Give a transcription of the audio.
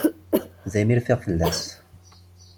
Daymi rfiɣ fell-as.